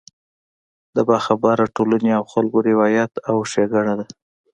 د باخبره ټولنې او خلکو روایت او ښېګړه ده.